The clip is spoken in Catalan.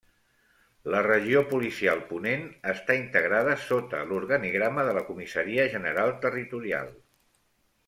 La Regió Policial Ponent està integrada sota l'organigrama de la Comissaria General Territorial.